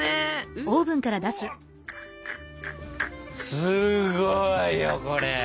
すごいよこれ。